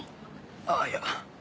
あぁいや。